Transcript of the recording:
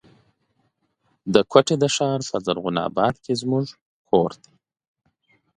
د کوټي ښار په زرغون آباد کي زموږ کور دی.